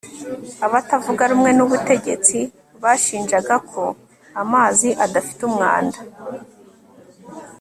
abatavuga rumwe n'ubutegetsi bashinjaga ko amazi adafite umwanda